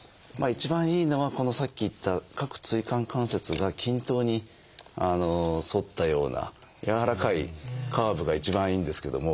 一番いいのはさっき言った各椎間関節が均等に反ったような柔らかいカーブが一番いいんですけども。